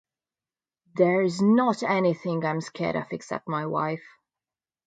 There's not anything I'm scared of except my wife.